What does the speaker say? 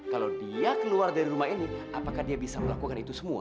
kalau dia keluar dari rumah ini apakah dia bisa melakukan itu semua